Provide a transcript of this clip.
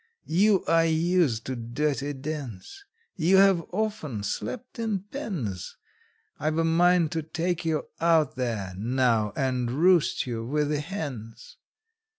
You are used to dirty dens; You have often slept in pens; I've a mind to take you out there now, and roost you with the hens!